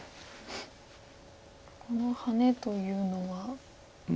このハネというのは？